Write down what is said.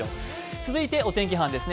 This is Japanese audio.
続いてお天気班ですね